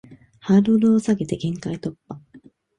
ハードルを下げて限界突破